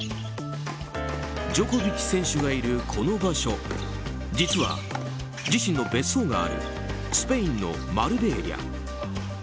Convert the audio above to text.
ジョコビッチ選手がいるこの場所実は、自身の別荘があるスペインのマルベーリャ。